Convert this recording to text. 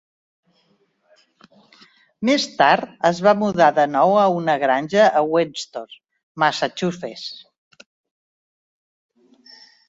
Més tard es va mudar de nou a una granja a Weston, Massachusetts.